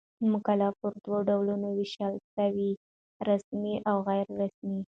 مقاله پر دوه ډولونو وېشل سوې؛ رسمي او غیري رسمي.